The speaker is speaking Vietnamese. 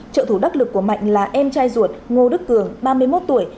trợ thủ đắc lực của mạnh là em trai ruột ngô đức cường ba mươi một tuổi